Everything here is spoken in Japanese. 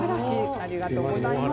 ありがとうございます。